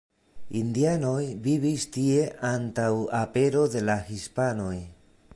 Indianoj vivis tie antaŭ apero de la hispanoj.